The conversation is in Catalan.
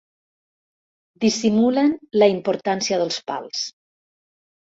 Dissimulen la importància dels pals.